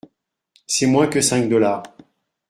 C’est moins que cinq dollars.